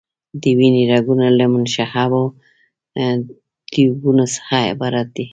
د وینې رګونه له منشعبو ټیوبونو څخه عبارت دي.